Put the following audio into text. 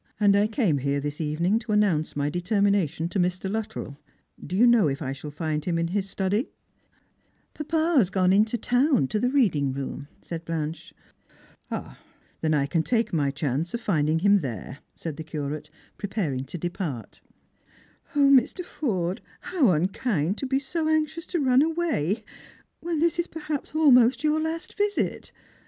And I came here this evening to announce my deter mination to Mr. Luttrell. Do you know if I shall find him in his study P "" Papa has gone into the town, to the reading room," said Blanche. " Then I can take my chance of finding hira there," said the Curate, preparing to depart. " 0, Mr. Forde, how unkind to be so anxious to run away, when this is perhaps almost your last visit.